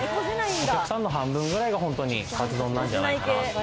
お客さんの半分くらいがカツ丼なんじゃないかな。